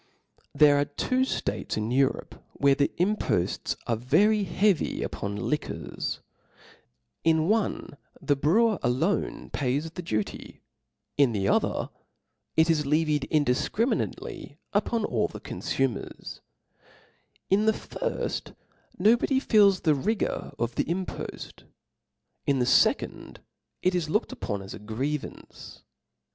There are two Hates in Europe where the impofts are very heavy upon liquors ; in one the brewer alone pays the duty, in the other it is levied indifcriminately upon all the confumers : in the firft no body feels the rigor of the impoft, in the fecond it is looked upon as a grievance.